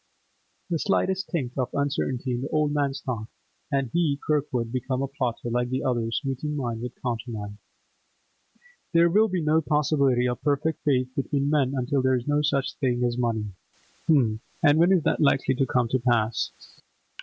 The slightest tinct of uncertainty in the old man's thought, and he, Kirkwood, became a plotter, like the others, meeting mine with countermine. 'There will be no possibility of perfect faith between men until there is no such thing as money! H'm, and when is that likely to come to pass?